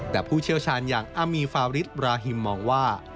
แต่ผู้เชี่ยวชาญอย่างอามีฟาริสบราฮิมมองว่า